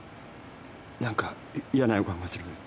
なんか嫌な予感がする。